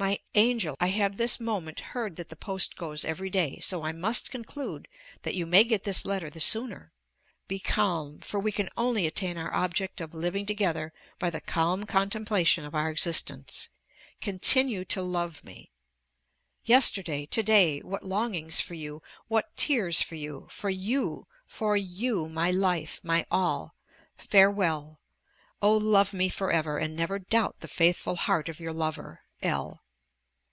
My angel! I have this moment heard that the post goes every day, so I must conclude that you may get this letter the sooner. Be calm! for we can only attain our object of living together by the calm contemplation of our existence. Continue to love me. Yesterday, to day, what longings for you, what tears for you! for you! for you! my life! my all! Farewell! Oh, love me for ever, and never doubt the faithful heart of your lover, L.